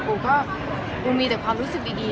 ปูมีแต่ความรู้สึกดี